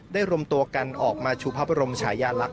ได้รวมตัวกันออกมาชูภาพรมฉายาลักษณ์